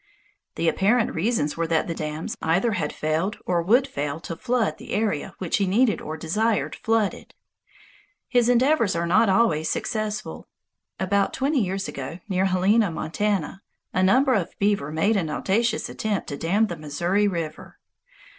The apparent reasons were that the dam either had failed or would fail to flood the area which he needed or desired flooded. His endeavors are not always successful. About twenty years ago, near Helena, Montana, a number of beaver made an audacious attempt to dam the Missouri River.